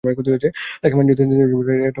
তাকে মাঞ্চুরিয়াতে দেখতে পেলে, এটা ফেরত দিতে চাই।